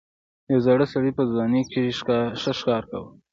یو زاړه سړي په ځوانۍ کې ښه ښکار کاوه.